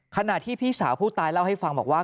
ขณะที่พี่สาวผู้ตายเล่าให้ฟังบอกว่า